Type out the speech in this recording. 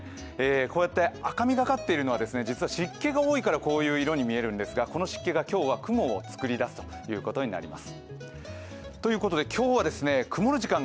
こうやって赤みがかっているのは湿気が多いからこういう色に見えるんですがこの湿気が今日は雲を作り出すということになります。